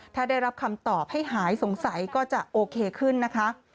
ถ้าได้รับคำตอบให้หายสงสัยก็จะโอเคขึ้นนะคะ